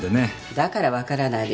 だからわからないのよ